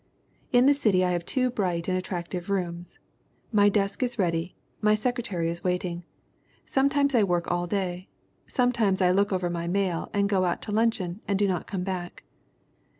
"In the city I have two bright and attractive rooms. My desk is ready; my secretary is waiting. Some times I work all day; sometimes I look over my mail and go out to luncheon and do not come back.